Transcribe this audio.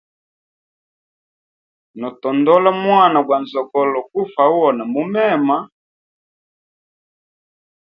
Notondola mwana gwa nzogolo gufa uhona mumema.